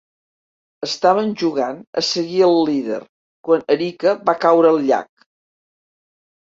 Estaven jugant a seguir el líder quan Erica va caure al llac.